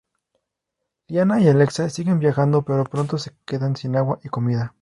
Liana y Alexa siguen viajando, pero pronto se quedan sin agua y comida.